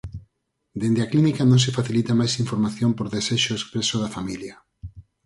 Dende a clínica non se facilita máis información por desexo expreso da familia.